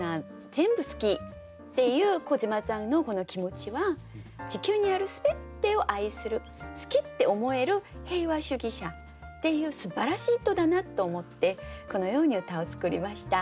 全部好きっていう小島ちゃんのこの気持ちは地球にある全てを愛する好きって思える平和主義者っていうすばらしい人だなと思ってこのように歌を作りました。